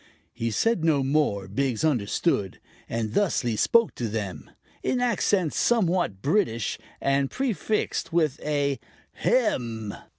He said no more. Biggs understood, and thusly spoke to them In accents somewhat British and prefixed with a "Hem!"